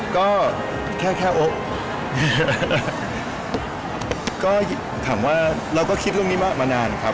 ก็แค่แค่โอ๊ะก็ถามว่าเราก็คิดเรื่องนี้มานานครับ